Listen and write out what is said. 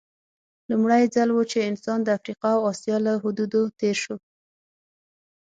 لومړی ځل و چې انسان د افریقا او اسیا له حدودو تېر شو.